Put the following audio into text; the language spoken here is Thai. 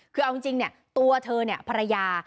คือเอาจริงตัวเธอเนี่ยภรรยา